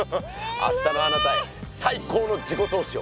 明日のあなたへ最高の自己投資を！